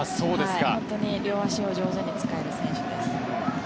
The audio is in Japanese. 本当に両足を上手に使える選手です。